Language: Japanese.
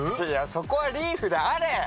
いやそこはリーフであれ！